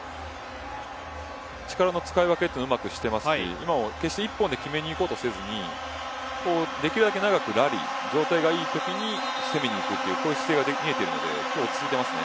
力の使い分けをうまくしていますし今も決して一本で決めにいこうとせずにできるだけ長くラリー状態がいいときに攻めにいくという姿勢が見えているので今日は落ち着いていますね。